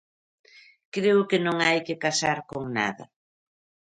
Creo que non hai que casar con nada.